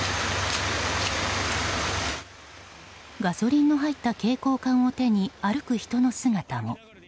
ガソリンの入った携行缶を手に歩く人の姿も。